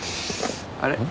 あれ？